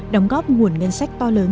đóng góp nguồn ngân sách to lớn cho nhà nước